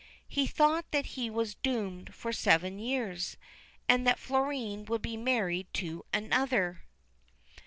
He thought that he was doomed for seven years, and that Florine would be married to another.